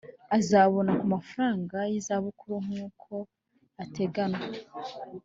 Azabona ku mafaranga y’izabukuru nk’uko ateganywa